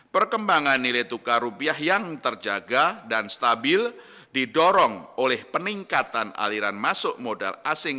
perkembangan nilai tukar rupiah yang terjaga dan stabil didorong oleh peningkatan aliran masuk modal asing